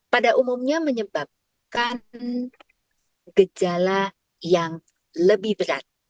pada umumnya menyebabkan gejala yang lebih berat